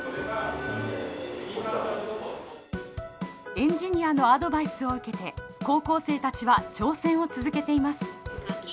エンジニアのアドバイスを受けて高校生たちは挑戦を続けています。